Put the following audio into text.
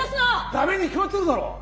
ダメに決まってるだろ！